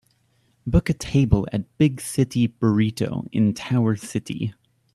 book a table at Big City Burrito in Tower City